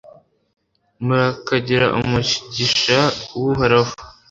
murakagira umugisha w'uhoraho